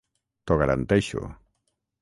T'ho garanteixo.